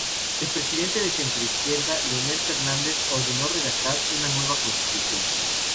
El presidente de centroizquierda, Leonel Fernández ordenó redactar una nueva constitución.